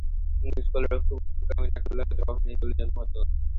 English গোলরক্ষক বোকামি না করলে হয়তো কখনোই এ গোলের জন্ম হতো না।